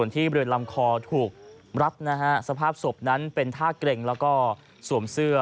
ที่บริเวณลำคอถูกรัดนะฮะสภาพศพนั้นเป็นท่าเกร็งแล้วก็สวมเสื้อ